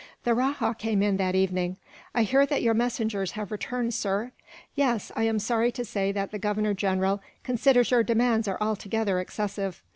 The rajah came in that evening. "I hear that your messengers have returned, sir." "Yes; I am sorry to say that the Governor General considers your demands are altogether excessive.